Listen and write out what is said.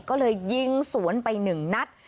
ก็เลยยิงสวนไปหนึ่งนัด